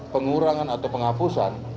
pengurangan atau penghapusan